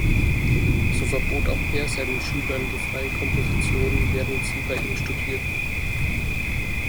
So verbot auch er seinen Schülern die freie Komposition, während sie bei ihm studierten.